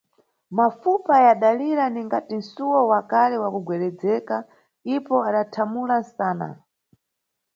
Mafupa yadalira ningati msuwo wa kale wakugwededzeka, ipo adathamula msana.